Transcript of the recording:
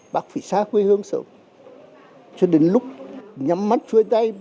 bác phải xa quê hương sống cho đến lúc nhắm mắt chui tay